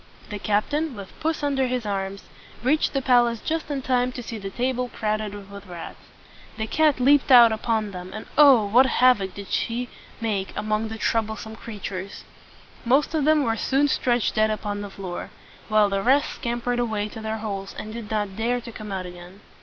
The captain, with puss under his arm, reached the palace just in time to see the table crowded with rats. The cat leaped out upon them, and oh! what havoc she did make among the trou ble some creatures! Most of them were soon stretched dead upon the floor, while the rest scam pered away to their holes, and did not dare to come out again.